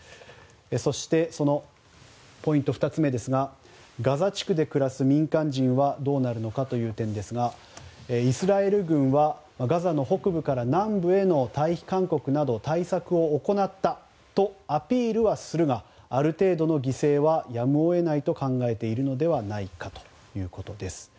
そしてそのポイント２つ目ですがガザ地区で暮らす民間人はどうなるのかという点ですがイスラエル軍はガザの北部から南部への退避勧告など対策を行ったとアピールはするがある程度の犠牲はやむを得ないと考えているのではないかということです。